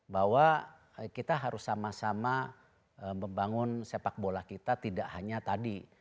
bahwa kita harus sama sama membangun sepak bola kita tidak hanya tadi